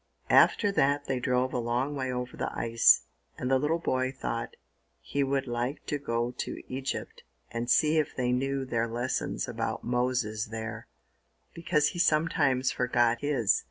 After that they drove a long way over the ice, and the little boy thought he would like to go to Egypt and see if they knew their lessons about Moses there, because he sometimes forgot his.